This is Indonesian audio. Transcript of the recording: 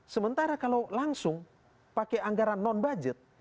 sementara kalau langsung pakai anggaran non budget